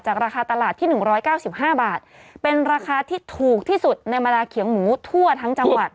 ราคาตลาดที่๑๙๕บาทเป็นราคาที่ถูกที่สุดในเวลาเขียงหมูทั่วทั้งจังหวัด